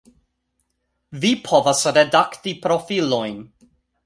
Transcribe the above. Vi povas redakti profilojn